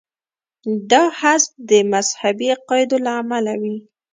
دا حذف د مذهبي عقایدو له امله وي.